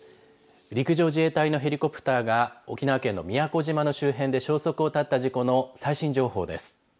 陸上自衛隊ヘリコプターが沖縄県の宮古島の周辺で消息を絶った事故の最新情報です。